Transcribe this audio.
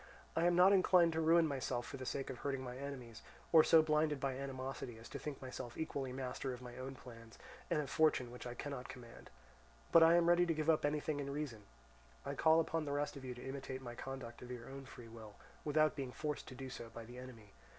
I am not inclined to ruin myself for the sake of hurting my enemies, or so blinded by animosity as to think myself equally master of my own plans and of fortune which I cannot command; but I am ready to give up anything in reason. I call upon the rest of you to imitate my conduct of your own free will, without being forced to do so by the enemy.